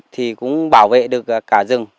thì cũng bảo vệ được cả rừng